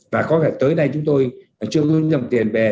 và có lẽ tới nay chúng tôi chưa có dòng tiền về